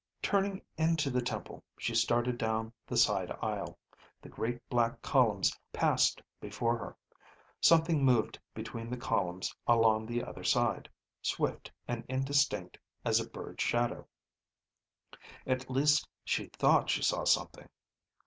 Turning into the temple, she started down the side aisle. The great black columns passed before her. Something moved between the columns along the other side, swift and indistinct as a bird's shadow. At least she thought she saw something.